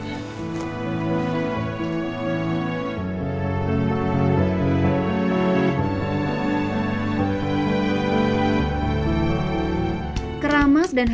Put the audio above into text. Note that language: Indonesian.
ibu ibangnya tuh berhenti deh